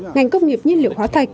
ngành công nghiệp nhiên liệu hóa thạch